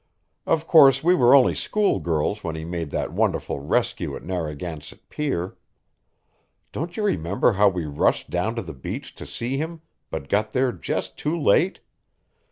"Of course, we were only school girls when he made that wonderful rescue at Narragansett Pier. Don't you remember how we rushed down to the beach to see him, but got there just too late?